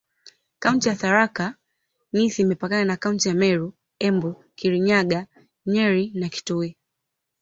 Kaunti ya Tharaka Nithi imepakana na kaunti za Meru, Embu, Kirinyaga, Nyeri na Kitui.